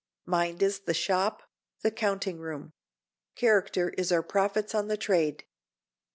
Mind is the shop, the counting room; character is our profits on the trade.